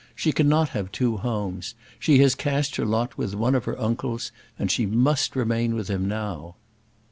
She cannot have two homes. She has cast her lot with one of her uncles, and she must remain with him now."